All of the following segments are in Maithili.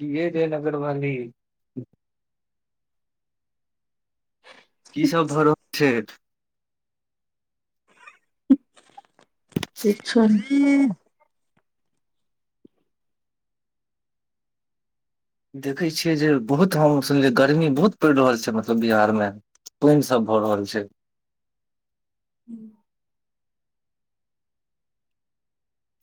कि यै जयनगर वाली की सब भ रहल छै अच्छा देखै छियै जे बहुत हम सुनलियै गर्मी बहुत पड़ि रहल छै मतलब बिहारमे पइन सब भऽ रहल छै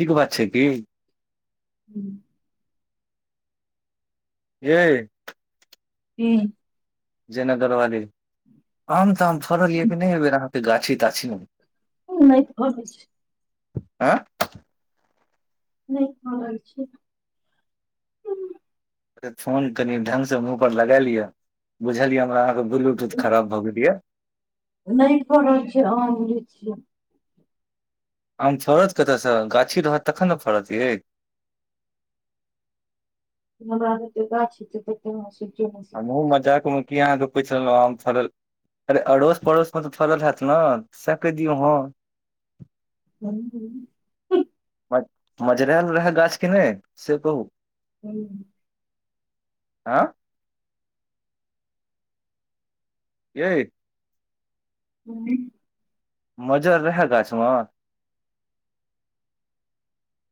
ठीक बात छै की हूं हेयै हुँ जयनगरवाली आम ताम फड़ल ये कि नहि एहिबेर अहाँके गाछी ताछी मे नहि फरल छै आँय नहि फरल छै फोन कनी ढंग से मुह पर लगए लियऽ बुझलिये हमरा अहाँ के ब्लूटूथ खराब भए गेल ये नहि फरल छय आम लीची आम फड़त कतयसँ गाछी रहत तखन ने फड़त ये हमरा आर कें गाछी [inaudible] हमहुँ मजाकमे की अहाँके पूछ लेलहुँ आम फड़ल अरे अड़ोस पड़ोसमे तऽ फड़ल हयत ने कहि दियौ हाँ [inaudible] मजरेल रहै गाछ कि नहि से कहू हुँ आँय यऐ हू मज्जर रहै गाछमे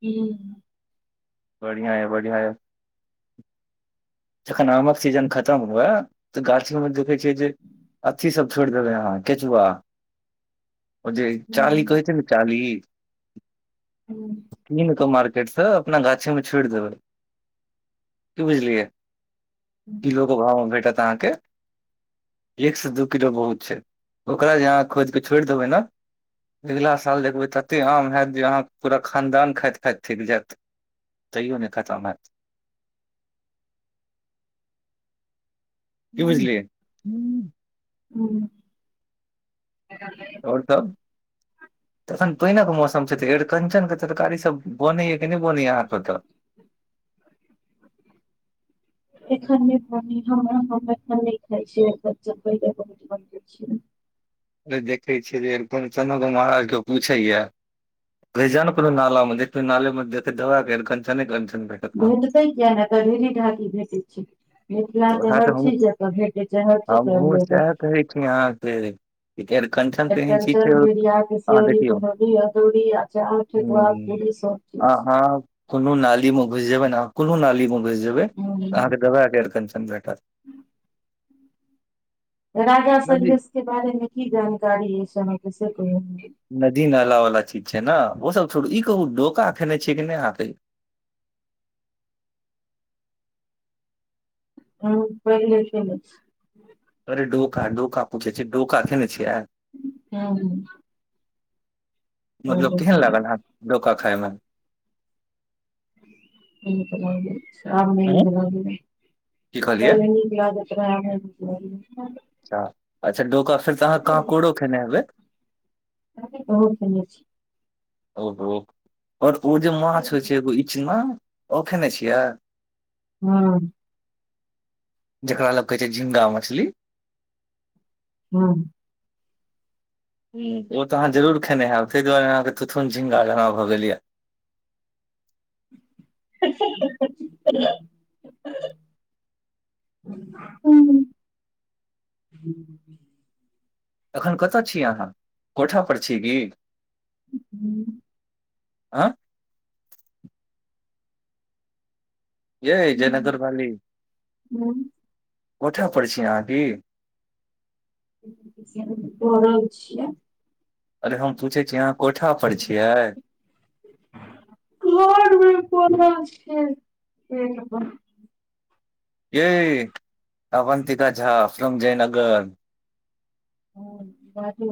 हुँ बढ़िया या बढ़िया या जखन आमक सीजन खतम हुए तऽ गाछी मे देखै छियै जे अथी सब छोड़ देबै हअहाँ केचुआा ओ जे चाली छी कहै छै ने चाली हुँ कीन कऽ मार्केट से अपना गाछी मे छोड़ि देबै की बुझलियै किलोके भाव मे भेटत अहाँके एक से दू किलो बहुत छै ओकरा जे अहाँ खोदिक छोड़ि देबै ने अगिला साल देखबै तते आम हयैत जे अहाँके पूरा खानदान खाइत खाइत थकि जायत तैयो नहि खतम हायत की बुझलियै हुँ आओर सब तखन पहिने के मौसम छै त एरिकंचनक के तरकारी सब बनैया कि नहि बनैया आहाँ के ओतऽ [inaudible] एखन नहि बनय हम अरिकंचन नहि खााय छिय एखन बैंगन बनबैत छिय देखै छियै जे कोन चना दना आर के पूछैय घुसी जाउ ने कोनो नला मे देखियो नाला मे दबाके कञचन कञचन भेटत अहाँ भेटतै किया नहि तऽ ढेरी ढाकी भेटैत छै मिथिला तऽ हर चीज जकाँ भेटै छै हर चीज हमहुँ एबलेबल सएह कहै छी अहाँके कि अरिकंचन तऽ एहन चीज छै अरिकंचन बिरिया अहाँ तिलौरि देखियौ पकौरि अदौरि अचार ठेकुआ पूरी सब आ चीज। हँ कोनो नाली मे घुस जेबै कोनो नाली मे घुस जेबै हूँ अहाँके दवां के अरीकंजन भेटत त [inaudible] राजा सलहेश के बारेमे की जानकारी एहि अहाँ के से कहियो नदी नाला वाला चीज छै ने ओ सब छोड़ू ई कहू डोका फ खेने छै कि नहि कहियो हुँ पहिले खेने छिय अरे डोका डोका पूछै छिय डोका खैने छियै हुँ मतलब केहन लागल अहाँके डोका खाायमे निक लगले सब हूँ निक लगले की कहलियै [unintelligible] [inaudible] अच्छा अच्छा डोका फेर तऽ अहाँ कहाँ कांकोरो खेने हेबै कांकोर बहुत खेने छिय ओ हो आओर ओ जे माछ होइ छै एगो इचना ओ खेने छियै हँ जकरा लोग कहे छै झिंगा मछली हँ ह ओ तऽ अहाँ जरुरर खनेयब ताहि दुआरे अहाँके तुथन झिंगा जगा भऽ गेल यए हँ हा हह हुँ अखन कतय छी अहाँ कोठा पर छी की हूं आँ ये जयनगर वाली कोठा पर छी अहाँ की परल छिय अरे हम पूछे छी अहाँ कोठा पर छियै घरमे परल छिय बेड पर ये अवन्तिका झा फ्रोम जयनगर ह बाजू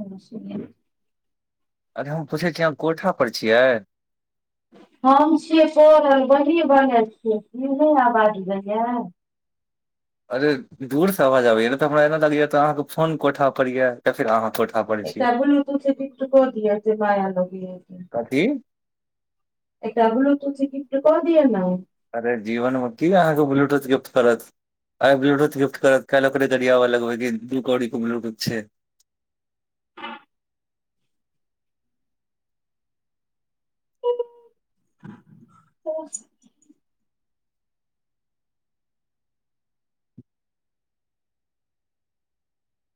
अरे हम पूछै छी अहाँ कोठा पर छियै [unintelligible] अरे दूर से आबाज आबैया तऽ हमरा एना लगै तऽ अहाँ के फोन कोठा पर ये या फिर अहाॅं कोठा पर छियै एकटा बुलुटूथ गिफ्ट द दियऽ जे माया लगै की एकटा बुलूटुथ गिफ्ट कऽ दिय न अरे जीवनमे की अहाँके ब्लूटूथ गिफ्ट करत आइ ब्लूटूथ गिफ्ट करत काल्हिओकरे गरियाब लगबे की दू कौड़ी क ब्लूटूथ छै ओ [unintelligible]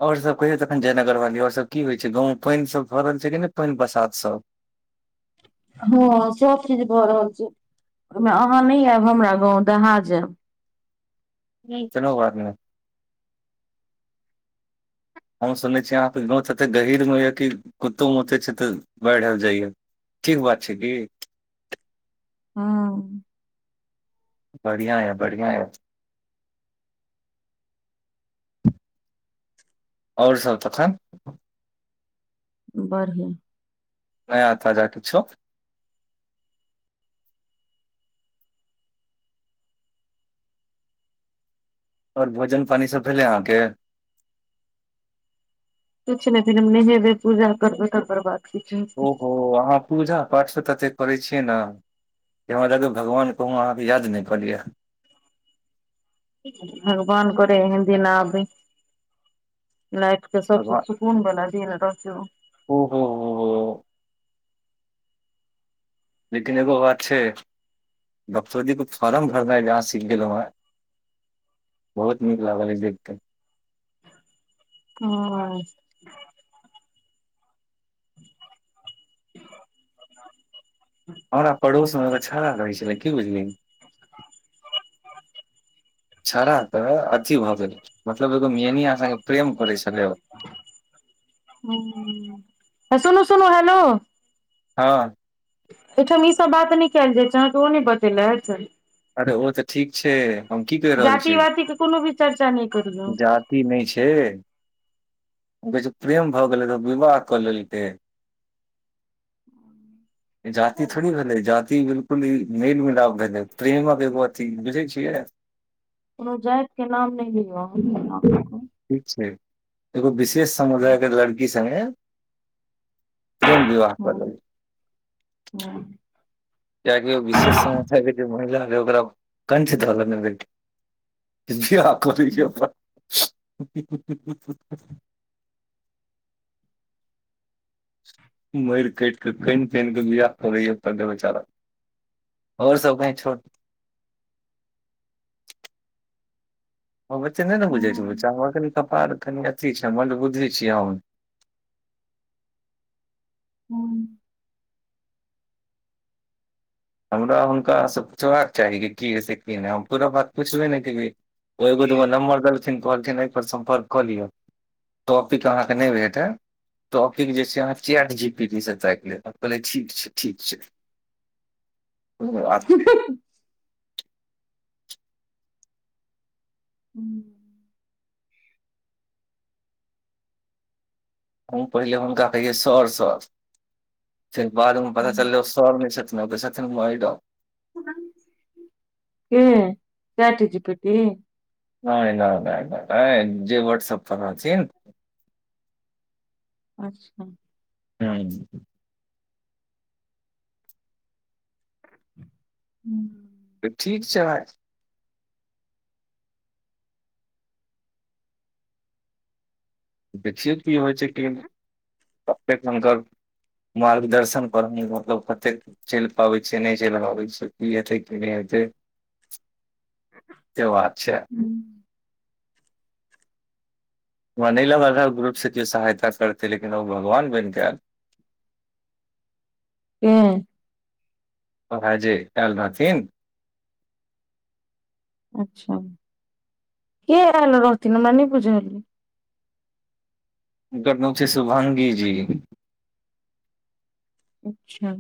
आओर सब कहियौ तखन जयनगर वाली आओर सब की होइ छै गाँव मे पानि सब भर रहल छै कि नहि पानि बसात सब हँ सब चीज भऽ रहल छै ओहिमे अहाँ नहि आयब हमरा गाँंव दहा जायब कोनो बात नै हम सुनै छी अहाँके गाँव तते गहीर मे या कि कुत्तोमुते छै तऽ बाढ़ि आबि जाइए ठीक बात छै कि हँ बढ़िया य बढ़िआ य आओर सब तखन बढ़िआ नया ताजा किछो आओर भोजन पानी सब भेलै अहाँके किछु नहि फेर हम नहेबै पूजा करबै तकर बाद किछु हेतै ओहो अहाँ पूजा पाठ सब ततेक करै छियै ने जे हमरा लगै भगवान कहुँ अहाँके याद नहि करि लिअ भगवान करे एहन दिन आबै भगवान कोन बला दिन ओहो हो हो लेकिन एगो बात छै डॉक्टर जी के फॉर्म भरनाय अहाा सीख गेलों हें बहुत नीक लागल जे देख केे हॅं [unintelligible] हमरा पड़ोस मे एगो छोड़ा रहै छलै की बुझलियै छौड़ा तऽ अथी भऽ गेलै मतलब एगो मियनिया सॅं प्रेम करै छलै ओ सुनू सुनू हेलो हँ एहिठाम ई सब बात नहि कयल जाइ छै अहाँ कऽ ओ नहि बतेलथि अरे ओ तऽ ठीक छै हम की कहि रहल जाति छी वाति के कोनो भी चर्चा नहि करियौ जात जाति नहि छै कहै छै प्रेम भऽ गेलै तऽ विवाह कऽ लेलकै जाति थोड़ी भेलै जाति बिल्कुल ई मेल मिलाप भेलै प्रेमक एगो अथि बुझै छियै कोंनो जाति के नाम नहि भेलै ठीक छै एगो विशेष समुदाय के लड़की सङ्गे प्रेम विवाह कऽ हँ लेलकै हँ कियाकि विशेष समुदाय के जे महिला रहे ओकरा कंठ ध लेने रहे [unintelligible] मइर कैट कऽ कईन तईन कऽ बियाह करये परलै बेचारा कऽ आओर सब कहै छोर हम एत्ते नहि ने बुझै छै बच्चा म हमर कनि कपाड़ कनि अथी छै मंदबुद्धि छी हम हुँ हमरा हुनकास से पुछबाक चाही कि हय से की नहि हम पूरा बात पुछबे ने केलिए ओ एगो दूगो नम्बर देलथिन कहलखिन एहिपर सम्पर्क कऽ लिअ टॉपीक अहाँके नहि भेटय टॉपिक जे छै अहाँ चैट जीपीटी स ताईक लियऽ कहलिये ठीक छै ठीक छै [inaudible] [inaudible] हुँ हुँ हम पहिले हुनका कहिये सर सर फेर बाद में पता चलले सर नै छथिन ओ त छथिन माइडम के चैटजीपीटी नहि नहि नहि नहि जे व्हाट्सअप पर रहथिन अच्छा हँ हूँ तऽ ठीक छै भाइ देखियौ की होइ छै की नहि कतेक हुनकर मार्गदर्शन पर मतलब कतेक चइल पाबै छै नहि चइल पाबै छै कि हेतय की नहि हेतय से बात छै व नहि लगल रहए ग्रुपसँ जे सहायता करतै लेकिन ओ भगवान बनिकऽ आयल हूं ओहा जे आएल रहथिन अच्छा के आएल रहथिन हमरा नै बुझल या हुनकर नाम छै शुभांगी जी अच्छा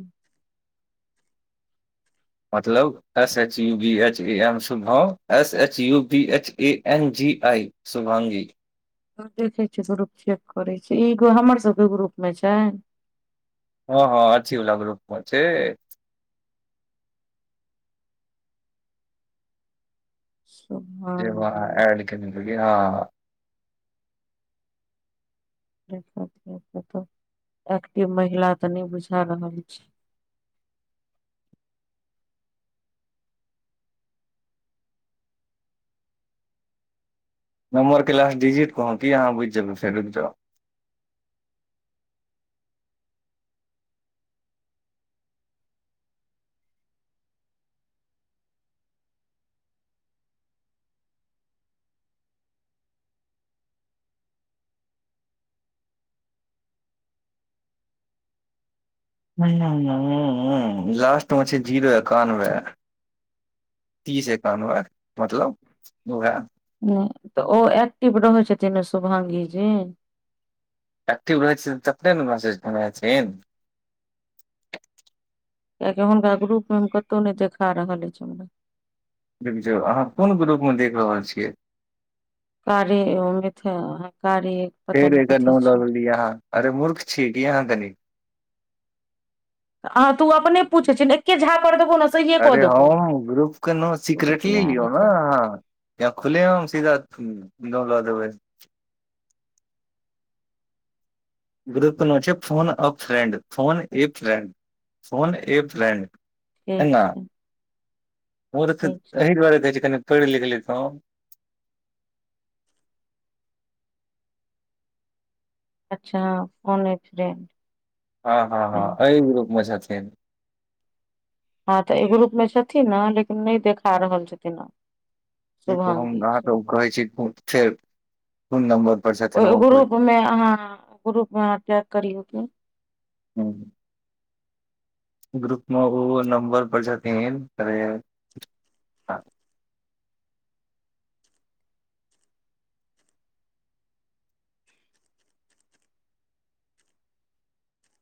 मतलब S H U B H A M Shubham S H U B H A N G I Shubhangi देखै छिय ग्रुप चेक करै छै ईगो हमर सबके ग्रुप मे छैन हँ हँ अथी वला ग्रुप मे छै शुभ जे ओ अहां एड केने रहिए हां जे ओ कतहु एक्टिव महिला ते नहि बुझा रहल छय नम्बर क लास डिजिट कहूं की अहाँ बुझि जेबै फेर रुक जाउ हुँ हुँ लासट म छै जीरो एकानबे तीस एकानबे मतलब ओहै नहि तऽ ओ एक्टिव रहै छथिन ने शुभांगी जी एक्टिव रहए छथिन तखने न मैसेज केने हेथिन किआकि हुनका ग्रुप मे हम कतहु नहि देखा रहल अछि हमरा रुकि जाउ अहाँ कोन ग्रुप मे देख रहल छियै कार्य ओ अथि कार्यअप्प फेर एकर नाम लऽ लेलियै अहाँ अरे मूर्ख छीयै की अहाँ कनी अहाँ तू ओ अपने पूछैत छिय न एके झापर देबौ ने सहिए कऽ अरे देबौ हम ग्रुप के नाउँ सिक्रेटली ध्यान लियौ न हेतै अहाँ या खुलेआम सीधा लऽ देबे ग्रुप न छै फोन अ फ्रेंड फोन ए फ्रेड फोन ए फ्रेंड ठीक छै ओ तऽऽ ठीक छै एहिही दूआारे कहै छी कनि पईढ़ लिख लैतौँ अच्छा फन एकसडेंट हँ हँ हँ एय ग्रुप मे छथिन हँ तऽ आई ग्रुप मे छथिन ने लेकिन नहि देखा रहल छथिन ओ देख क हम अहाँ के कहे छी फेर कोन नम्बर पर ओ छथिन कहै ग्रुप मे अहाँ ग्रुप मे चेक करियऔ त हुँ ग्रुप मे ओ नम्बर पर छथिन अरे